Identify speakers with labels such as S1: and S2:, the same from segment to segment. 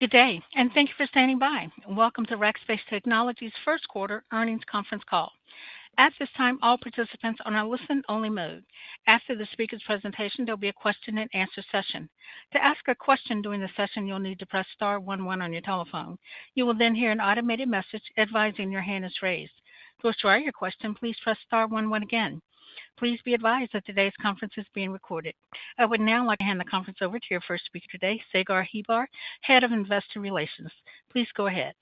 S1: Good day, and thank you for standing by. Welcome to Rackspace Technology's Q1 Earnings Conference Call. At this time, all participants are on a listen-only mode. After the speaker's presentation, there'll be a question-and-answer session. To ask a question during the session, you'll need to press star one one on your telephone. You will then hear an automated message advising your hand is raised. To assure you're questioned, please press star one one again. Please be advised that today's conference is being recorded. I would now like to hand the conference over to your first speaker today, Sagar Hebbar, Head of Investor Relations. Please go ahead.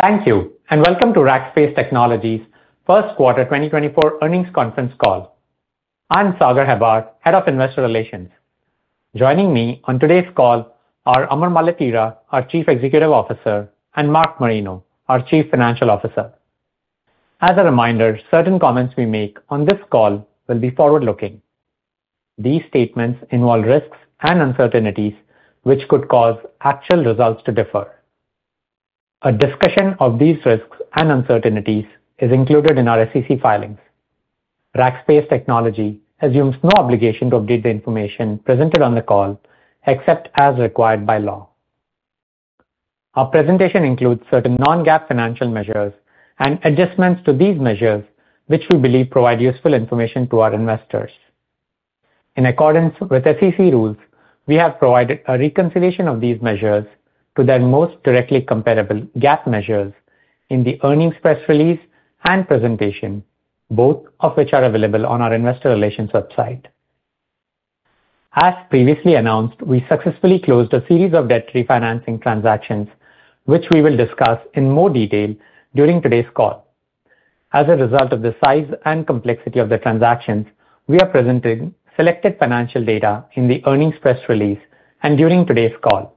S2: Thank you, and welcome to Rackspace Technology's Q1 2024 Earnings Conference Call. I'm Sagar Hebbar, Head of Investor Relations. Joining me on today's call are Amar Maletira, our Chief Executive Officer, and Mark Marino, our Chief Financial Officer. As a reminder, certain comments we make on this call will be forward-looking. These statements involve risks and uncertainties which could cause actual results to differ. A discussion of these risks and uncertainties is included in our SEC filings. Rackspace Technology assumes no obligation to update the information presented on the call except as required by law. Our presentation includes certain non-GAAP financial measures and adjustments to these measures which we believe provide useful information to our investors. In accordance with SEC rules, we have provided a reconciliation of these measures to their most directly comparable GAAP measures in the earnings press release and presentation, both of which are available on our Investor Relations website. As previously announced, we successfully closed a series of debt refinancing transactions which we will discuss in more detail during today's call. As a result of the size and complexity of the transactions, we are presenting selected financial data in the earnings press release and during today's call.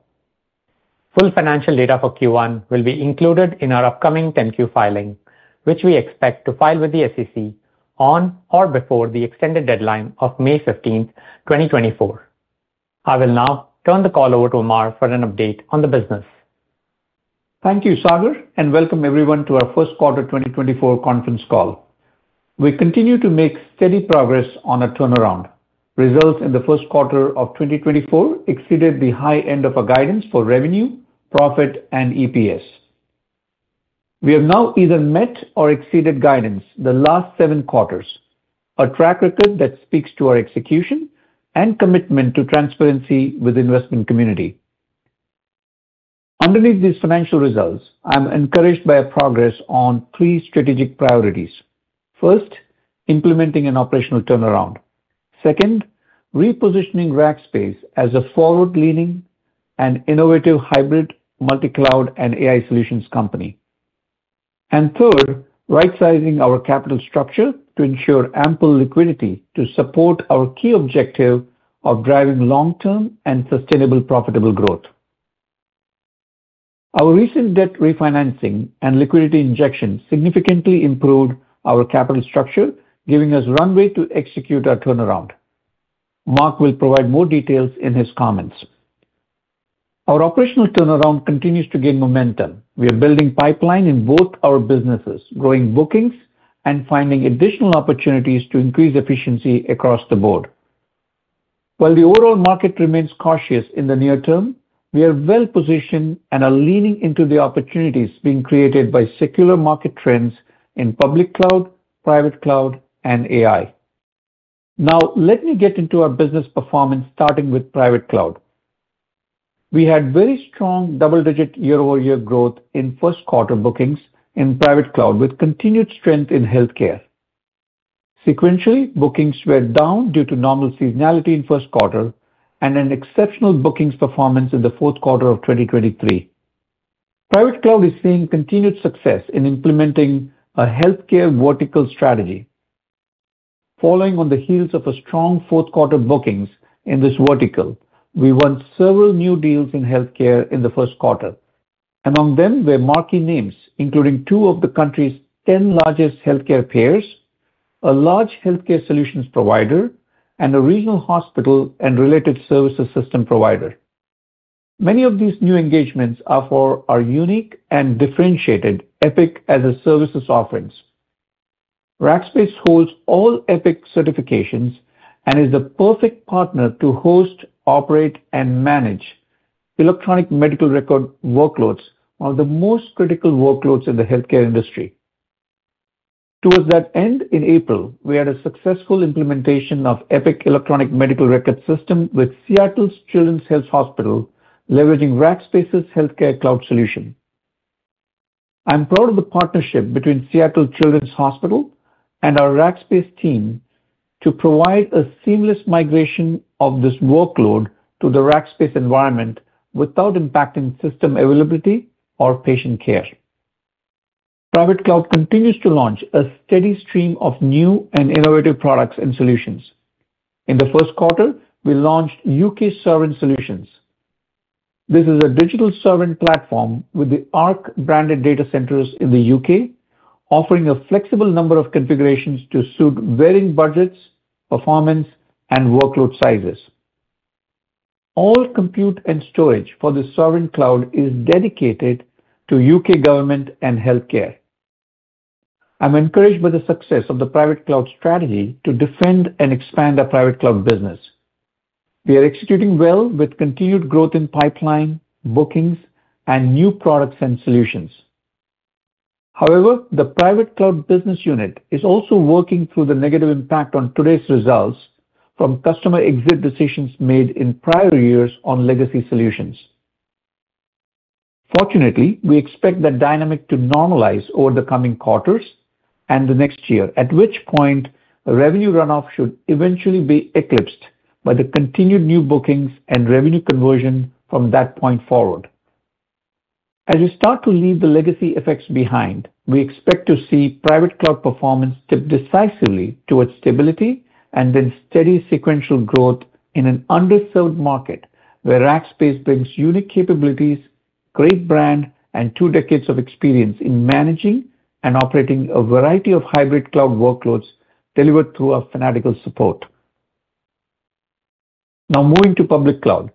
S2: Full financial data for Q1 will be included in our upcoming 10-Q filing, which we expect to file with the SEC on or before the extended deadline of May 15th, 2024. I will now turn the call over to Amar for an update on the business.
S3: Thank you, Sagar, and welcome everyone to our Q1 2024 conference call. We continue to make steady progress on a turnaround. Results in the Q1 of 2024 exceeded the high end of our guidance for revenue, profit, and EPS. We have now either met or exceeded guidance the last seven quarters, a track record that speaks to our execution and commitment to transparency with the investment community. Underneath these financial results, I'm encouraged by progress on three strategic priorities. First, implementing an operational turnaround. Second, repositioning Rackspace as a forward-leaning and innovative hybrid multi-cloud and AI solutions company. And third, right-sizing our capital structure to ensure ample liquidity to support our key objective of driving long-term and sustainable profitable growth. Our recent debt refinancing and liquidity injection significantly improved our capital structure, giving us runway to execute our turnaround. Mark will provide more details in his comments. Our operational turnaround continues to gain momentum. We are building a pipeline in both our businesses, growing bookings, and finding additional opportunities to increase efficiency across the board. While the overall market remains cautious in the near term, we are well-positioned and are leaning into the opportunities being created by secular market trends in public cloud, private cloud, and AI. Now, let me get into our business performance, starting with private cloud. We had very strong double-digit year-over-year growth in Q1 bookings in private cloud with continued strength in healthcare. Sequentially, bookings were down due to normal seasonality in Q1 and an exceptional bookings performance in the Q4 of 2023. Private cloud is seeing continued success in implementing a healthcare vertical strategy. Following on the heels of strong Q4 bookings in this vertical, we won several new deals in healthcare in the Q1. Among them were marquee names, including two of the country's 10 largest healthcare payers, a large healthcare solutions provider, and a regional hospital and related services system provider. Many of these new engagements are for our unique and differentiated Epic as a services offerings. Rackspace holds all Epic certifications and is the perfect partner to host, operate, and manage electronic medical record workloads, one of the most critical workloads in the healthcare industry. Toward that end, in April, we had a successful implementation of Epic electronic medical record system with Seattle Children's Hospital, leveraging Rackspace's healthcare cloud solution. I'm proud of the partnership between Seattle Children's Hospital and our Rackspace team to provide a seamless migration of this workload to the Rackspace environment without impacting system availability or patient care. Private cloud continues to launch a steady stream of new and innovative products and solutions. In the Q1, we launched UK Sovereign Solutions. This is a digital sovereign platform with the Ark-branded data centers in the UK, offering a flexible number of configurations to suit varying budgets, performance, and workload sizes. All compute and storage for the sovereign cloud is dedicated to UK government and healthcare. I'm encouraged by the success of the private cloud strategy to defend and expand our private cloud business. We are executing well with continued growth in pipeline, bookings, and new products and solutions. However, the private cloud business unit is also working through the negative impact on today's results from customer exit decisions made in prior years on legacy solutions. Fortunately, we expect that dynamic to normalize over the coming quarters and the next year, at which point revenue runoff should eventually be eclipsed by the continued new bookings and revenue conversion from that point forward. As we start to leave the legacy effects behind, we expect to see private cloud performance tip decisively towards stability and then steady sequential growth in an underserved market where Rackspace brings unique capabilities, great brand, and two decades of experience in managing and operating a variety of hybrid cloud workloads delivered through our fanatical support. Now, moving to public cloud.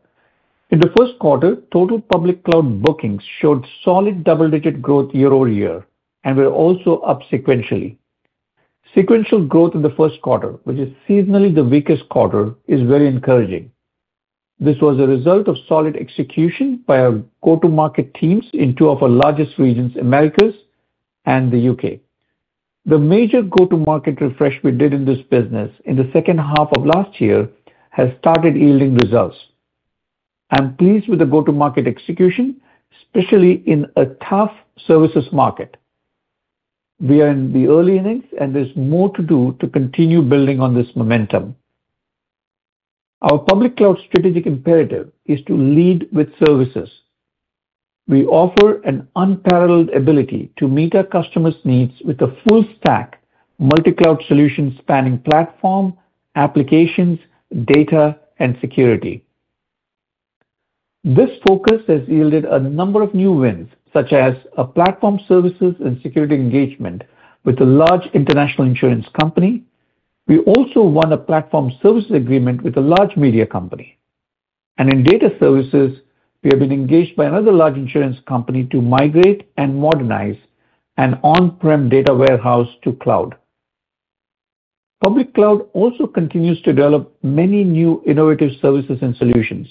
S3: In the Q1, total public cloud bookings showed solid double-digit growth year-over-year, and we're also up sequentially. Sequential growth in the Q1, which is seasonally the weakest quarter, is very encouraging. This was a result of solid execution by our go-to-market teams in two of our largest regions, Americas and the UK. The major go-to-market refresh we did in this business in the H2 of last year has started yielding results. I'm pleased with the go-to-market execution, especially in a tough services market. We are in the early innings, and there's more to do to continue building on this momentum. Our public cloud strategic imperative is to lead with services. We offer an unparalleled ability to meet our customers' needs with a full-stack multi-cloud solution spanning platform, applications, data, and security. This focus has yielded a number of new wins, such as a platform services and security engagement with a large international insurance company. We also won a platform services agreement with a large media company. In data services, we have been engaged by another large insurance company to migrate and modernize an on-prem data warehouse to cloud. Public cloud also continues to develop many new innovative services and solutions.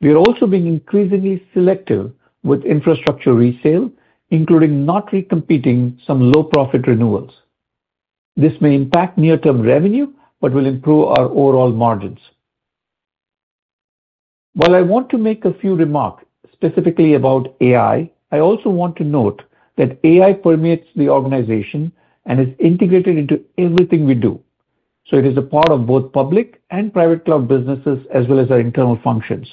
S3: We are also being increasingly selective with infrastructure resale, including not recompeting some low-profit renewals. This may impact near-term revenue but will improve our overall margins. While I want to make a few remarks specifically about AI, I also want to note that AI permeates the organization and is integrated into everything we do. So it is a part of both public and private cloud businesses as well as our internal functions.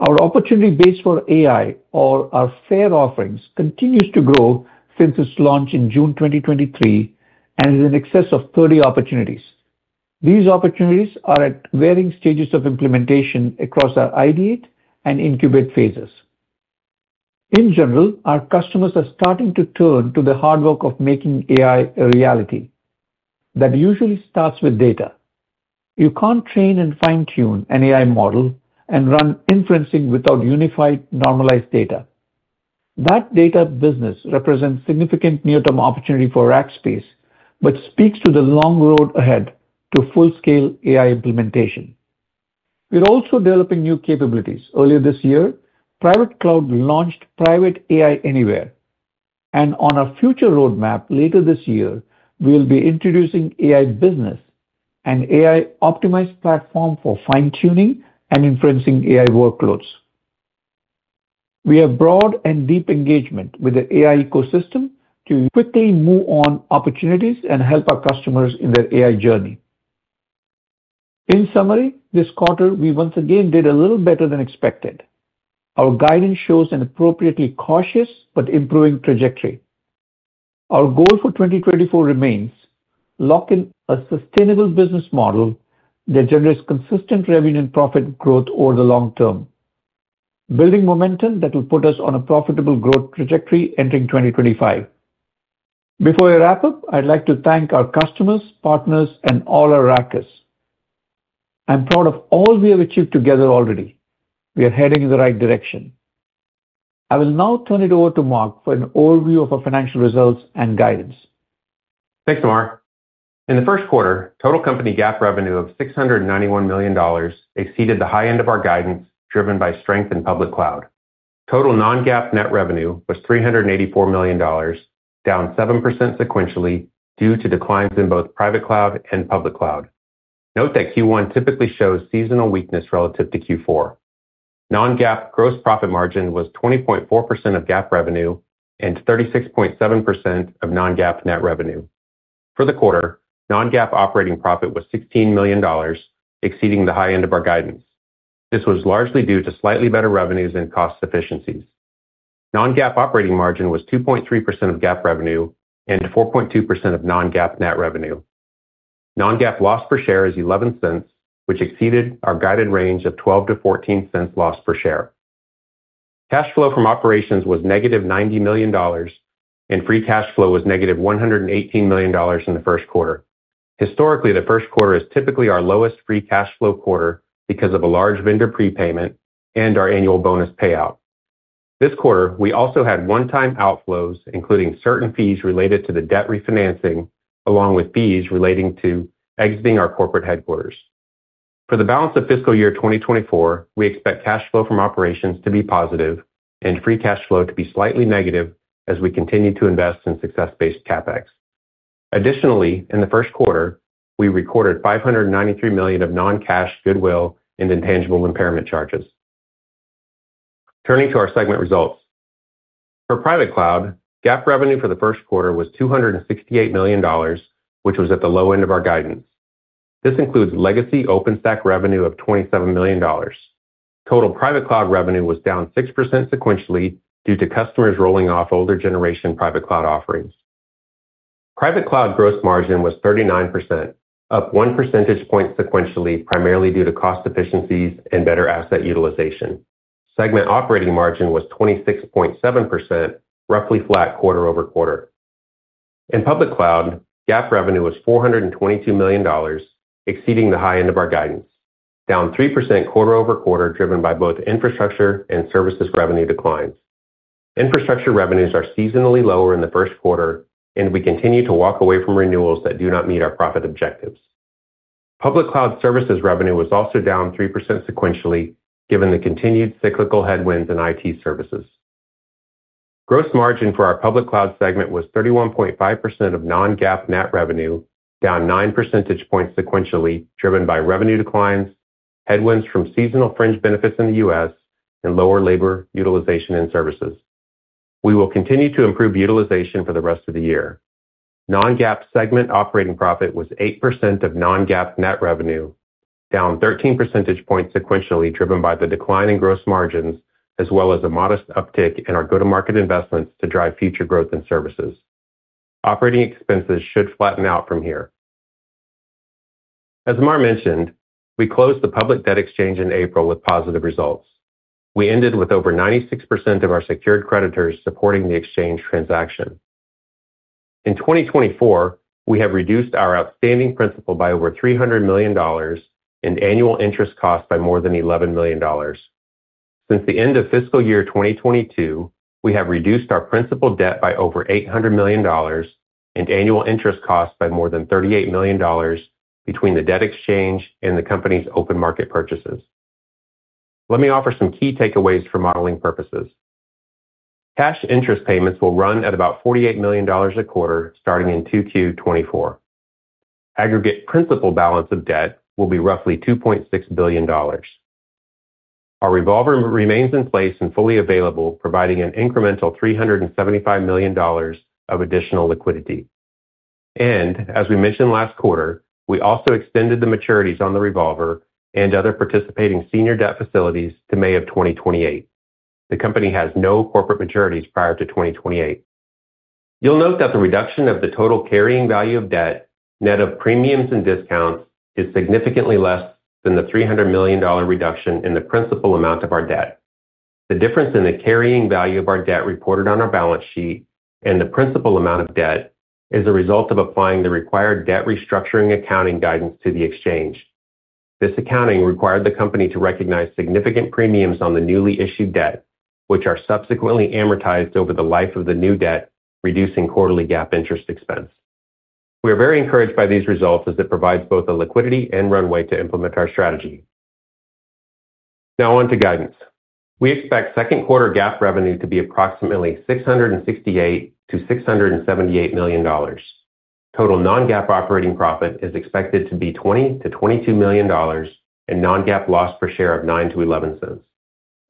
S3: Our opportunity base for AI, or our FAIR offerings, continues to grow since its launch in June 2023 and is in excess of 30 opportunities. These opportunities are at varying stages of implementation across our ideate and incubate phases. In general, our customers are starting to turn to the hard work of making AI a reality. That usually starts with data. You can't train and fine-tune an AI model and run inferencing without unified, normalized data. That data business represents significant near-term opportunity for Rackspace but speaks to the long road ahead to full-scale AI implementation. We're also developing new capabilities. Earlier this year, Private Cloud launched Private AI Anywhere. On our future roadmap later this year, we'll be introducing AI Business, an AI-optimized platform for fine-tuning and inferencing AI workloads. We have broad and deep engagement with the AI ecosystem to quickly move on opportunities and help our customers in their AI journey. In summary, this quarter, we once again did a little better than expected. Our guidance shows an appropriately cautious but improving trajectory. Our goal for 2024 remains: lock in a sustainable business model that generates consistent revenue and profit growth over the long term, building momentum that will put us on a profitable growth trajectory entering 2025. Before I wrap up, I'd like to thank our customers, partners, and all our Rackers. I'm proud of all we have achieved together already. We are heading in the right direction. I will now turn it over to Mark for an overview of our financial results and guidance.
S4: Thanks, Amar. In the Q1, total company GAAP revenue of $691 million exceeded the high end of our guidance driven by strength in public cloud. Total non-GAAP net revenue was $384 million, down 7% sequentially due to declines in both private cloud and public cloud. Note that Q1 typically shows seasonal weakness relative to Q4. Non-GAAP gross profit margin was 20.4% of GAAP revenue and 36.7% of non-GAAP net revenue. For the quarter, non-GAAP operating profit was $16 million, exceeding the high end of our guidance. This was largely due to slightly better revenues and cost efficiencies. Non-GAAP operating margin was 2.3% of GAAP revenue and 4.2% of non-GAAP net revenue. Non-GAAP loss per share is $0.11, which exceeded our guided range of $0.12-$0.14 loss per share. Cash flow from operations was -$90 million, and free cash flow was -$118 million in the Q1. Historically, the Q1 is typically our lowest free cash flow quarter because of a large vendor prepayment and our annual bonus payout. This quarter, we also had one-time outflows, including certain fees related to the debt refinancing along with fees relating to exiting our corporate headquarters. For the balance of fiscal year 2024, we expect cash flow from operations to be positive and free cash flow to be slightly negative as we continue to invest in success-based CapEx. Additionally, in the Q1, we recorded $593 million of non-cash goodwill and intangible impairment charges. Turning to our segment results. For private cloud, GAAP revenue for the Q1 was $268 million, which was at the low end of our guidance. This includes legacy OpenStack revenue of $27 million. Total private cloud revenue was down 6% sequentially due to customers rolling off older generation private cloud offerings. Private cloud gross margin was 39%, up 1 percentage point sequentially, primarily due to cost efficiencies and better asset utilization. Segment operating margin was 26.7%, roughly flat quarter-over-quarter. In public cloud, GAAP revenue was $422 million, exceeding the high end of our guidance, down 3% quarter-over-quarter driven by both infrastructure and services revenue declines. Infrastructure revenues are seasonally lower in the Q1, and we continue to walk away from renewals that do not meet our profit objectives. Public cloud services revenue was also down 3% sequentially given the continued cyclical headwinds in IT services. Gross margin for our public cloud segment was 31.5% of non-GAAP net revenue, down 9 percentage points sequentially driven by revenue declines, headwinds from seasonal fringe benefits in the U.S., and lower labor utilization in services. We will continue to improve utilization for the rest of the year. Non-GAAP segment operating profit was 8% of non-GAAP net revenue, down 13 percentage points sequentially driven by the decline in gross margins as well as a modest uptick in our go-to-market investments to drive future growth in services. Operating expenses should flatten out from here. As Amar mentioned, we closed the public debt exchange in April with positive results. We ended with over 96% of our secured creditors supporting the exchange transaction. In 2024, we have reduced our outstanding principal by over $300 million and annual interest costs by more than $11 million. Since the end of fiscal year 2022, we have reduced our principal debt by over $800 million and annual interest costs by more than $38 million between the debt exchange and the company's open market purchases. Let me offer some key takeaways for modeling purposes. Cash interest payments will run at about $48 million a quarter starting in Q2 2024. Aggregate principal balance of debt will be roughly $2.6 billion. Our revolver remains in place and fully available, providing an incremental $375 million of additional liquidity. As we mentioned last quarter, we also extended the maturities on the revolver and other participating senior debt facilities to May of 2028. The company has no corporate maturities prior to 2028. You'll note that the reduction of the total carrying value of debt net of premiums and discounts is significantly less than the $300 million reduction in the principal amount of our debt. The difference in the carrying value of our debt reported on our balance sheet and the principal amount of debt is a result of applying the required debt restructuring accounting guidance to the exchange. This accounting required the company to recognize significant premiums on the newly issued debt, which are subsequently amortized over the life of the new debt, reducing quarterly GAAP interest expense. We are very encouraged by these results as it provides both a liquidity and runway to implement our strategy. Now on to guidance. We expect Q2 GAAP revenue to be approximately $668-$678 million. Total non-GAAP operating profit is expected to be $20-$22 million and non-GAAP loss per share of $0.09-$0.11.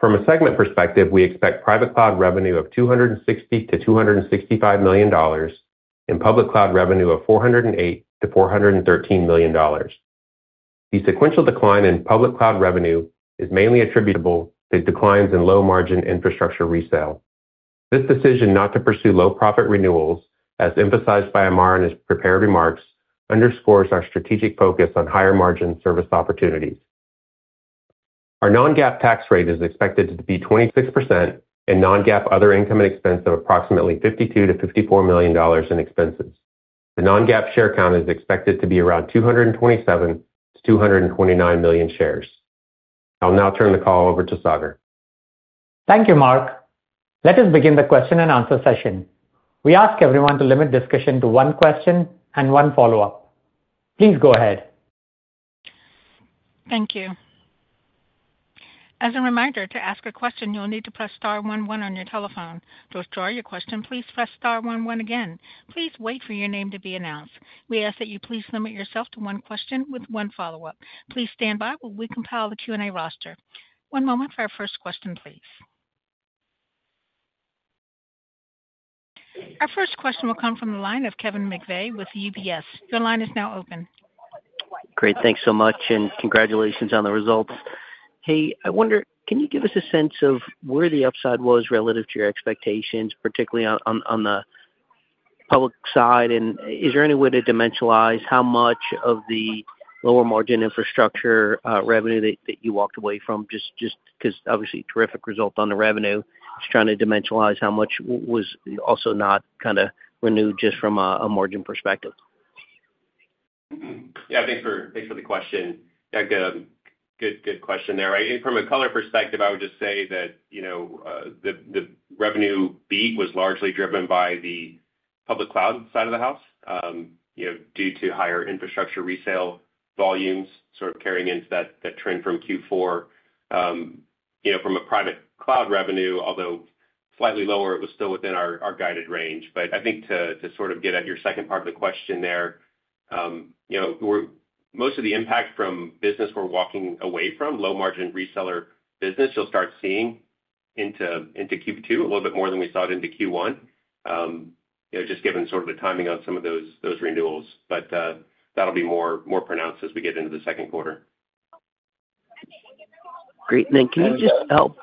S4: From a segment perspective, we expect private cloud revenue of $260-$265 million and public cloud revenue of $408-$413 million. The sequential decline in public cloud revenue is mainly attributable to declines in low-margin infrastructure resale. This decision not to pursue low-profit renewals, as emphasized by Amar in his prepared remarks, underscores our strategic focus on higher-margin service opportunities. Our non-GAAP tax rate is expected to be 26% and non-GAAP other income and expense of approximately $52-$54 million in expenses. The non-GAAP share count is expected to be around 227-229 million shares. I'll now turn the call over to Sagar.
S2: Thank you, Mark. Let us begin the question-and-answer session. We ask everyone to limit discussion to one question and one follow-up. Please go ahead.
S1: Thank you. As a reminder, to ask a question, you'll need to press star one one on your telephone. To withdraw your question, please press star one one again. Please wait for your name to be announced. We ask that you please limit yourself to one question with one follow-up. Please stand by while we compile the Q&A roster. One moment for our first question, please. Our first question will come from the line of Kevin McVeigh with UBS. Your line is now open.
S5: Great. Thanks so much, and congratulations on the results. Hey, I wonder, can you give us a sense of where the upside was relative to your expectations, particularly on the public side? And is there any way to dimensionalize how much of the lower-margin infrastructure revenue that you walked away from? Just because, obviously, terrific result on the revenue. Just trying to dimensionalize how much was also not kind of renewed just from a margin perspective.
S4: Yeah, thanks for the question. Yeah, good question there. From a color perspective, I would just say that the revenue beat was largely driven by the public cloud side of the house due to higher infrastructure resale volumes sort of carrying into that trend from Q4. From a private cloud revenue, although slightly lower, it was still within our guided range. But I think to sort of get at your second part of the question there, most of the impact from business we're walking away from, low-margin reseller business, you'll start seeing into Q2 a little bit more than we saw it into Q1, just given sort of the timing on some of those renewals. But that'll be more pronounced as we get into the Q2.
S5: Great. And then can you just help?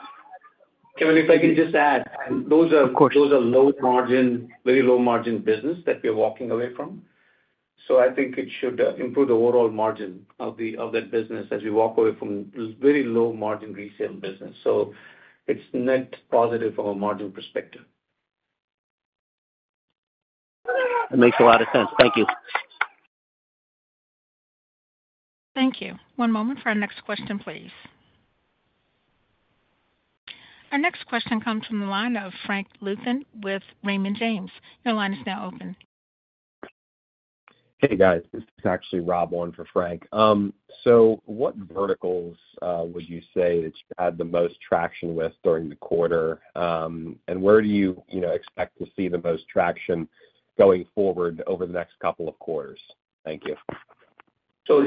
S3: Kevin, if I can just add, those are low-margin, very low-margin business that we're walking away from. So I think it should improve the overall margin of that business as we walk away from very low-margin resale business. So it's net positive from a margin perspective.
S5: That makes a lot of sense. Thank you.
S1: Thank you. One moment for our next question, please. Our next question comes from the line of Frank Louthan with Raymond James. Your line is now open.
S6: Hey, guys. This is actually Rob on for Frank. So what verticals would you say that you had the most traction with during the quarter? And where do you expect to see the most traction going forward over the next couple of quarters? Thank you.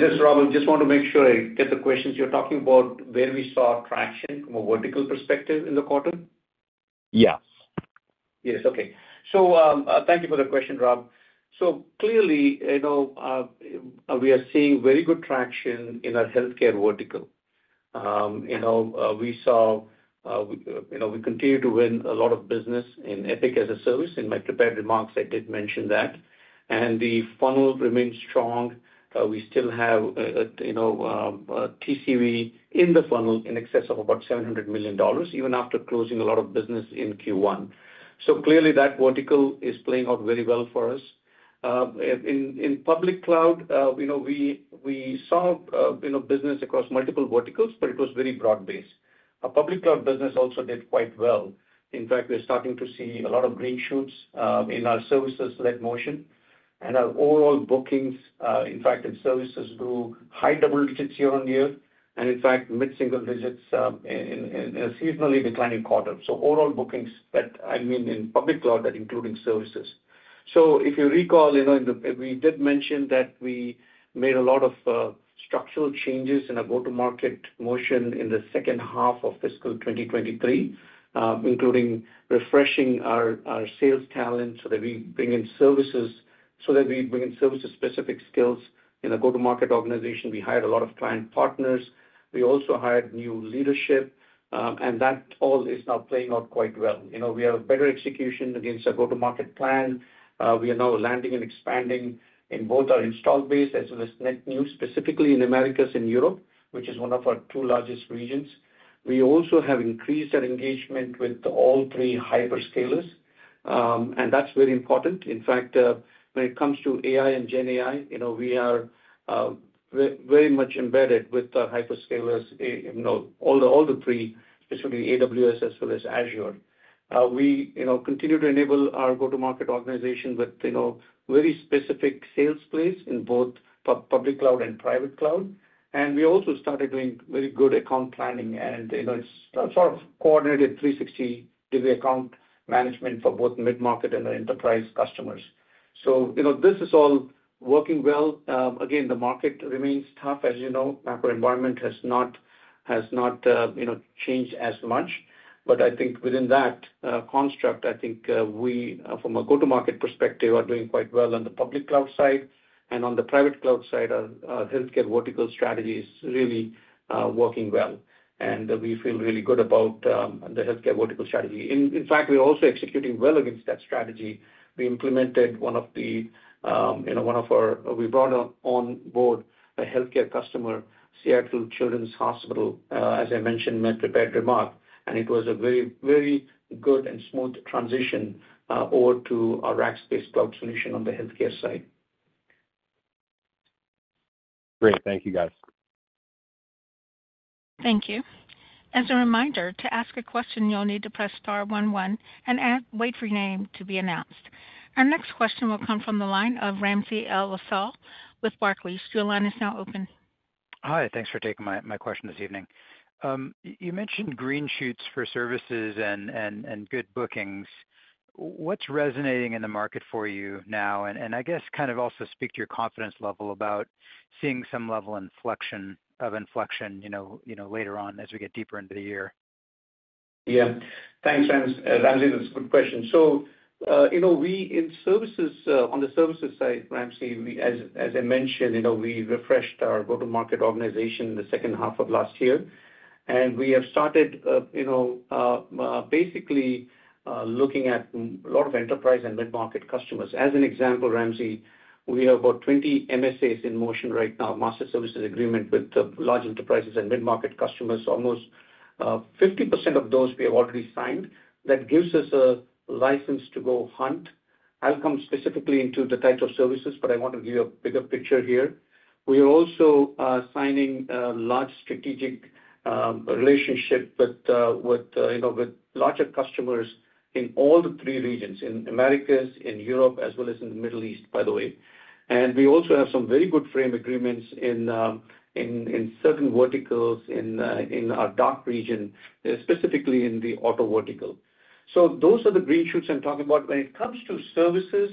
S3: Just, Rob, I just want to make sure I get the questions. You're talking about where we saw traction from a vertical perspective in the quarter?
S6: Yes.
S3: Yes. Okay. Thank you for the question, Rob. So clearly, we are seeing very good traction in our healthcare vertical. We continue to win a lot of business in Epic as a service. In my prepared remarks, I did mention that. The funnel remains strong. We still have TCV in the funnel in excess of about $700 million, even after closing a lot of business in Q1. So clearly, that vertical is playing out very well for us. In public cloud, we saw business across multiple verticals, but it was very broad-based. Our public cloud business also did quite well. In fact, we're starting to see a lot of green shoots in our services-led motion. Our overall bookings and services grew high double digits year-over-year, and in fact, mid-single digits in a seasonally declining quarter. So overall bookings that I mean in public cloud, that including services. So if you recall, we did mention that we made a lot of structural changes in our go-to-market motion in the H2 of fiscal 2023, including refreshing our sales talent so that we bring in services so that we bring in services-specific skills in a go-to-market organization. We hired a lot of client partners. We also hired new leadership. And that all is now playing out quite well. We have better execution against our go-to-market plan. We are now landing and expanding in both our installed base as well as net new, specifically in Americas and Europe, which is one of our two largest regions. We also have increased our engagement with all three hyperscalers. And that's very important. In fact, when it comes to AI and GenAI, we are very much embedded with the hyperscalers, all the three, specifically AWS as well as Azure. We continue to enable our go-to-market organization with very specific sales plays in both public cloud and private cloud. And we also started doing very good account planning. And it's sort of coordinated 360-degree account management for both mid-market and our enterprise customers. So this is all working well. Again, the market remains tough. As you know, macro environment has not changed as much. But I think within that construct, I think we, from a go-to-market perspective, are doing quite well on the public cloud side. And on the private cloud side, our healthcare vertical strategy is really working well. And we feel really good about the healthcare vertical strategy. In fact, we're also executing well against that strategy. We implemented one of our we brought on board a healthcare customer, Seattle Children's Hospital, as I mentioned in my prepared remarks. It was a very, very good and smooth transition over to our Rackspace Cloud solution on the healthcare side.
S6: Great. Thank you, guys.
S1: Thank you. As a reminder, to ask a question, you'll need to press star one one and wait for your name to be announced. Our next question will come from the line of Ramsey El-Assal with Barclays. Your line is now open.
S7: Hi. Thanks for taking my question this evening. You mentioned green shoots for services and good bookings. What's resonating in the market for you now? And I guess kind of also speak to your confidence level about seeing some level of inflection later on as we get deeper into the year.
S3: Yeah. Thanks, Ramsey. That's a good question. So we, on the services side, Ramsey, as I mentioned, we refreshed our go-to-market organization in the H2 of last year. We have started basically looking at a lot of enterprise and mid-market customers. As an example, Ramsey, we have about 20 MSAs in motion right now, Master Services Agreement with large enterprises and mid-market customers. Almost 50% of those we have already signed. That gives us a license to go hunt. I'll come specifically into the type of services, but I want to give you a bigger picture here. We are also signing a large strategic relationship with larger customers in all the three regions, in Americas, in Europe, as well as in the Middle East, by the way. We also have some very good frame agreements in certain verticals in our DACH region, specifically in the auto vertical. So those are the green shoots I'm talking about. When it comes to services,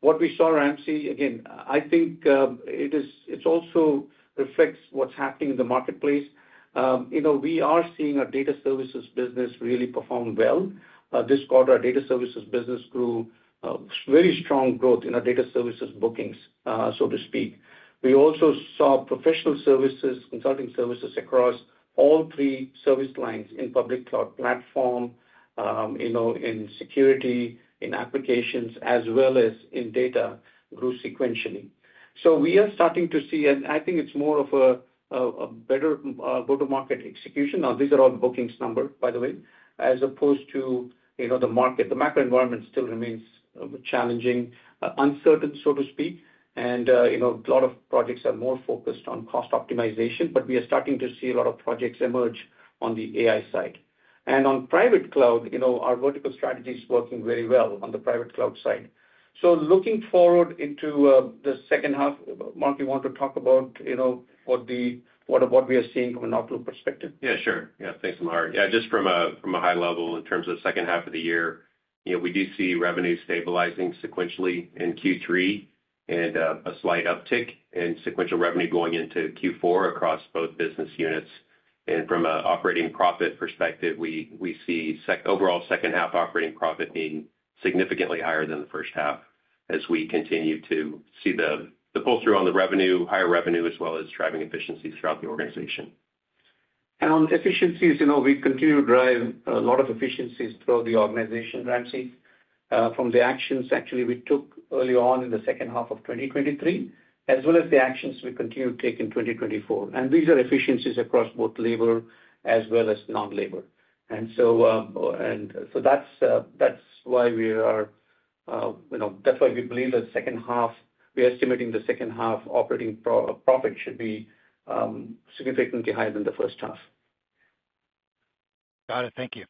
S3: what we saw, Ramsey, again, I think it also reflects what's happening in the marketplace. We are seeing our data services business really perform well. This quarter, our data services business grew very strong growth in our data services bookings, so to speak. We also saw professional services, consulting services across all three service lines in public cloud platform, in security, in applications, as well as in data grew sequentially. So we are starting to see and I think it's more of a better go-to-market execution. Now, these are all bookings numbered, by the way, as opposed to the market. The macroenvironment still remains challenging, uncertain, so to speak. And a lot of projects are more focused on cost optimization, but we are starting to see a lot of projects emerge on the AI side. On private cloud, our vertical strategy is working very well on the private cloud side. Looking forward into the H2, Mark, you want to talk about what we are seeing from an overall perspective?
S4: Yeah, sure. Yeah. Thanks, Amar. Yeah, just from a high level in terms of the H2 of the year, we do see revenue stabilizing sequentially in Q3 and a slight uptick in sequential revenue going into Q4 across both business units. And from an operating profit perspective, we see overall H2 operating profit being significantly higher than the H1 as we continue to see the pull-through on the revenue, higher revenue, as well as driving efficiencies throughout the organization.
S3: On efficiencies, we continue to drive a lot of efficiencies throughout the organization, Ramsey. From the actions, actually, we took early on in the H2 of 2023, as well as the actions we continue to take in 2024. These are efficiencies across both labor as well as non-labor. So that's why we believe the H2 operating profit should be significantly higher than the H1.
S7: Got it. Thank you.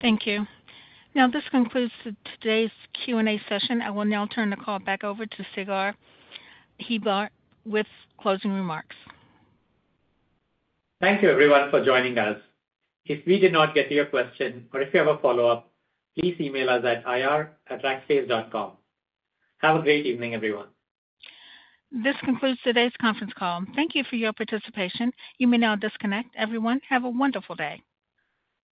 S1: Thank you. Now, this concludes today's Q&A session. I will now turn the call back over to Sagar Hebbar with closing remarks.
S2: Thank you, everyone, for joining us. If we did not get to your question or if you have a follow-up, please email us at ir@rackspace.com. Have a great evening, everyone.
S1: This concludes today's conference call. Thank you for your participation. You may now disconnect. Everyone, have a wonderful day.